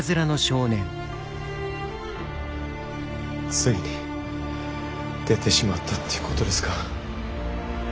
ついに出てしまったということですか。